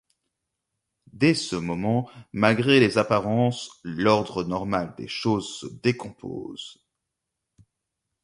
Dès ce moment, malgré les apparences, l'ordre normal des choses se décompose...